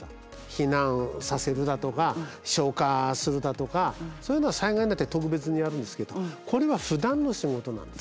避難させるだとか消火するだとかそういうのは災害になって特別にやるんですけどこれはふだんの仕事なんです。